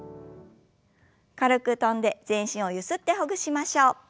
軽く跳んで全身をゆすってほぐしましょう。